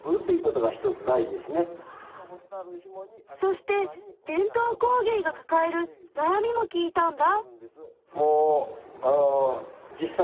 そして伝統工芸がかかえるなやみも聞いたんだ。